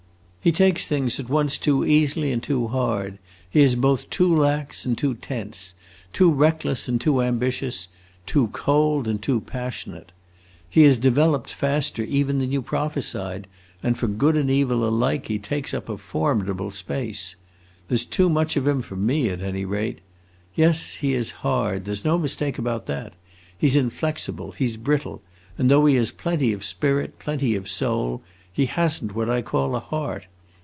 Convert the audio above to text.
He takes things at once too easily and too hard; he is both too lax and too tense, too reckless and too ambitious, too cold and too passionate. He has developed faster even than you prophesied, and for good and evil alike he takes up a formidable space. There 's too much of him for me, at any rate. Yes, he is hard; there is no mistake about that. He 's inflexible, he 's brittle; and though he has plenty of spirit, plenty of soul, he has n't what I call a heart.